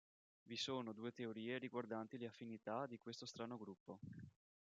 Vi sono due teorie riguardanti le affinità di questo strano gruppo.